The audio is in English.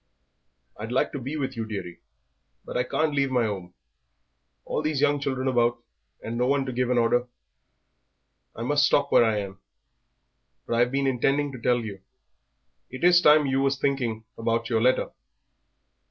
"I'd like to be with you, dearie, but I can't leave my 'ome, all these young children about and no one to give an order. I must stop where I am. But I've been intending to tell you it is time that you was thinking about yer letter."